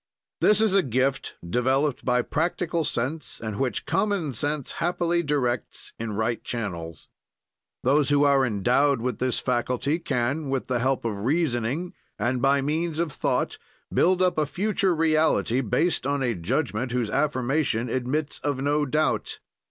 "This is a gift, developed by practical sense and which common sense happily directs in right channels. "Those who are endowed with this faculty can, with the help of reasoning, and by means of thought, build up a future reality based on a judgment whose affirmation admits of no doubt.